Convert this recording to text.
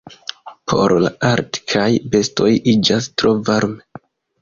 Por la arktaj bestoj iĝas tro varme.